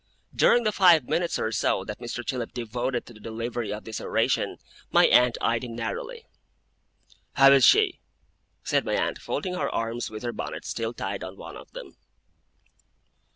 During the five minutes or so that Mr. Chillip devoted to the delivery of this oration, my aunt eyed him narrowly. 'How is she?' said my aunt, folding her arms with her bonnet still tied on one of them.